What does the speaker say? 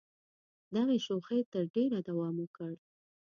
دغې شوخۍ تر ډېره دوام وکړ.